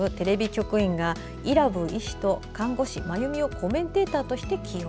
局員が伊良部医師と看護師マユミをコメンテーターとして起用。